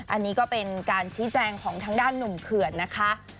อันนี้ก็เป็นการชี้แจงของทางด้านหนุ่มเขื่อนนะคะ